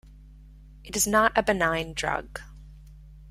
It is not a benign drug.